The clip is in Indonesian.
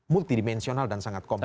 multidimensional dan sangat kompleks